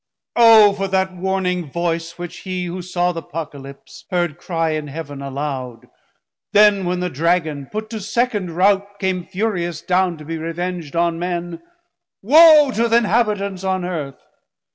O For that warning voice, which he who saw Th' Apocalyps, heard cry in Heaven aloud, Then when the Dragon, put to second rout, Came furious down to be reveng'd on men, Wo To The Inhabitants On Earth!